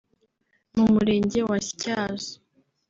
mu Murenge wa Ntyazo